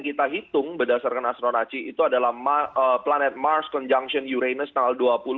kita hitung berdasarkan astronaci itu adalah planet mars conjungtion uraines tanggal dua puluh